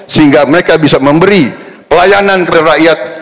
sehingga mereka bisa memberi pelayanan kepada rakyat